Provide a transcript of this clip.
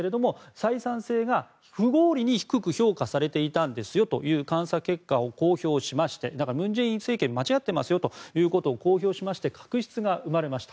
採算性が不合理に低く評価されていたんですよという監査結果を公表しまして文在寅政権が間違っていますよと公表しまして確執が生まれました。